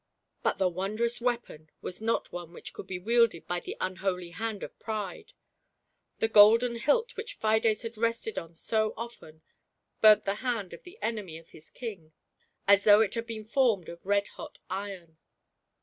But the wondrous weapon was not one which could be wielded by the unholy hand of Pride ; the golden hilt which Fides had rested on so often, burnt the hand of the enemy of his King, as though it had been formed of red hot iron.